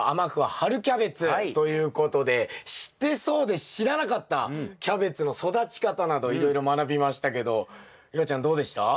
春キャベツ」ということで知ってそうで知らなかったキャベツの育ち方などいろいろ学びましたけど夕空ちゃんどうでした？